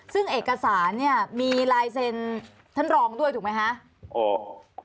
ซึ่งเอกสารเนี่ยมีลายเซ็นท่านรองด้วยถูกไหมคะ